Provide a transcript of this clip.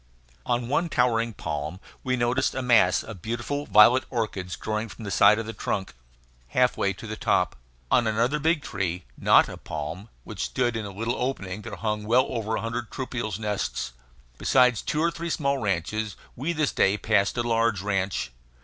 On one towering palm we noticed a mass of beautiful violet orchids growing from the side of the trunk, half way to the top. On another big tree, not a palm, which stood in a little opening, there hung well over a hundred troupials' nests. Besides two or three small ranches we this day passed a large ranch.